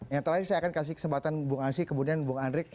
yang terakhir saya akan kasih kesempatan bung asi kemudian bung andrik